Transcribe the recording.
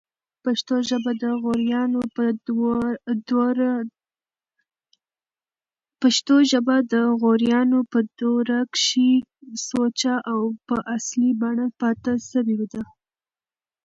پښتو ژبه دغوریانو په دوره کښي سوچه او په اصلي بڼه پاته سوې ده.